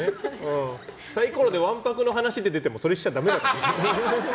サイコロでわんぱくな話って出てもそれしちゃダメだからね。